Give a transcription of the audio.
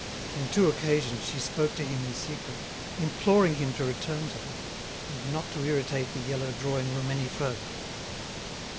On two occasions she spoke to him in secret, imploring him to return to them, and not to irritate the yellow drawing room any further.